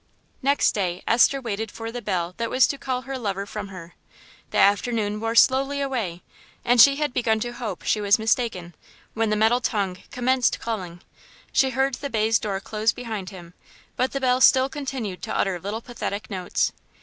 Next day Esther waited for the bell that was to call her lover from her. The afternoon wore slowly away, and she had begun to hope she was mistaken when the metal tongue commenced calling. She heard the baize door close behind him; but the bell still continued to utter little pathetic notes.